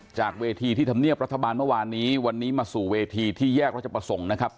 จากเวทีที่ธรรมเนียบรัฐบาลเมื่อวานนี้วันนี้มาสู่เวทีที่แยกราชประสงค์นะครับ